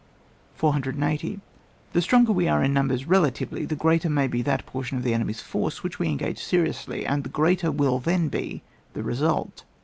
480. The stronger we are in numbers relatively the greater may be that por tion of the enemy's force which we en gage seriously, and the greater will then be the result.